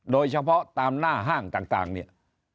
โดยเฉพาะตามหน้าห้างต่างเนี่ย